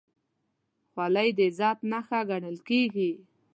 خولۍ د عزت نښه ګڼل کېږي.